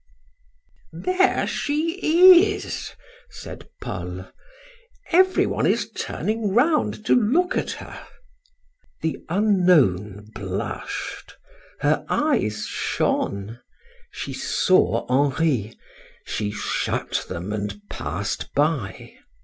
"There she is," said Paul. "Every one is turning round to look at her." The unknown blushed, her eyes shone; she saw Henri, she shut them and passed by.